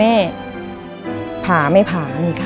มันต้องการแล้วก็หายให้มัน